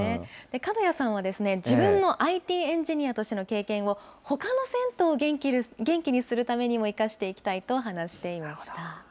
角屋さんは、自分のＩＴエンジニアとしての経験を、ほかの銭湯を元気にするためにも生かしていきたいと話していました。